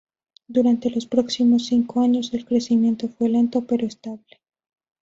Durante los próximos cinco años, el crecimiento fue lento pero estable.